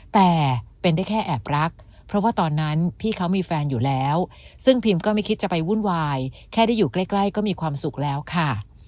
แต่เป็นได้แค่แอบรักเพราะว่าตอนนั้นพี่เขามีแฟนอยู่แล้วซึ่งพิมก็ไม่คิดจะไปวุ่นวายแค่ได้อยู่ใกล้ก็มีความสุขแล้วค่ะ